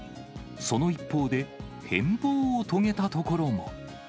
その一方で、変貌を遂げたところも。